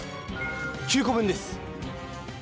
９こ分です！